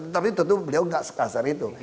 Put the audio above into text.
tapi tentu beliau nggak sekasar itu